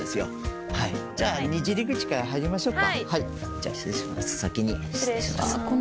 じゃあ失礼します先に。